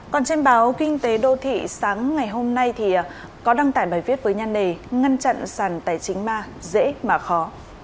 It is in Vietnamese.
còn trên báo kinh tế đô thị sáng ngày hôm nay thì có đăng tải bài viết với nhan đề ngăn chặn sàn tài chính ma dễ mà khó